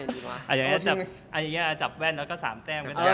เอาอย่างงี้อ่ะจับแว่นแล้วก็สามแต้มก็ได้